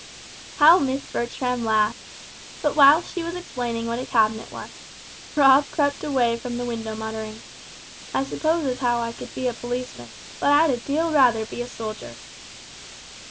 How Miss Bertram laughed! But whilst she was explaining what a cabinet was, Rob crept away from the window muttering, "I suppose as how I could be a policeman, but I'd a deal rather be a soldier!"